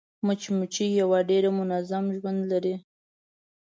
مچمچۍ یو ډېر منظم ژوند لري